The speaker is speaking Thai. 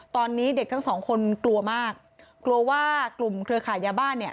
ตอนนี้เด็กทั้งสองคนกลัวมากกลัวว่ากลุ่มเครือขายยาบ้านเนี่ย